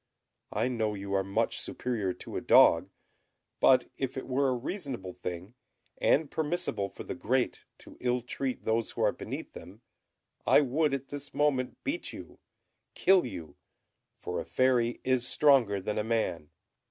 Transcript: I know you are much superior to a dog; but if it were a reasonable thing, and permissible for the great to ill treat those who are beneath them, I would at this moment beat you kill you, for a Fairy is stronger than a man.